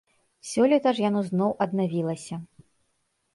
Сёлета ж яно зноў аднавілася.